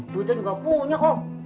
duitnya juga punya kok